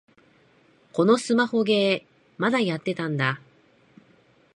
このスマホゲー、まだやってたんだ